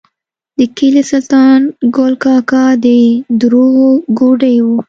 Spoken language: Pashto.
د کلي سلطان ګل کاکا د دروغو ګوډی و.